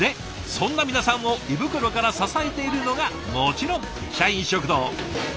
そんな皆さんを胃袋から支えているのがもちろん社員食堂。